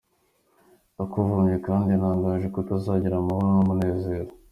Ndakuvumye kandi ntangaje ko utazagira amahoro n’umunezero.